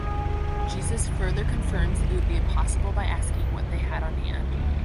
Jesus further confirms it would be impossible by asking what they had on hand.